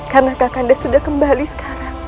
karena kakanda sudah kembali sekarang